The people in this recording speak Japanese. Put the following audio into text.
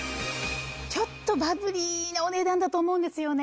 ちょっとバブリーなお値段だと思うんですよね。